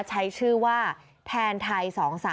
ใช้ชื่อว่าแทนไทย๒๓